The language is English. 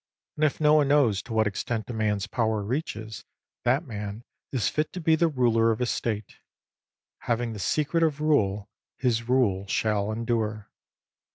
And if no one knows to what extent a man's power reaches, that man is fit to be the ruler of a State. Having the secret of rule, his rule shall endure.